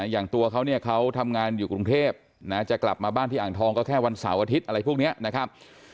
อย่างตัวเขาเนี่ยเขาทำงานอยู่กรุงเทพจะกลับมาบ้านที่อ่างทองก็แค่วันเสาร์อาทิตย์อะไรพวกนี้นะครับ